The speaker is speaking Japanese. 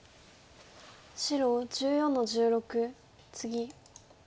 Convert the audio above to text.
白１４の十六ツギ。